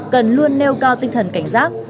cần luôn nêu cao tinh thần cảnh giác